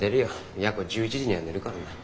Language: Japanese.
やこ１１時には寝るからな。